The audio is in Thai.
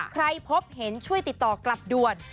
พบเห็นช่วยติดต่อกลับด่วน